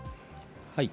はい。